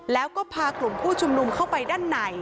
แล้วก็พากลุ่มผู้ชุมนุมเข้าไปด้านใน